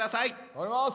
頑張ります！